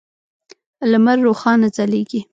لمر روښانه ځلیږی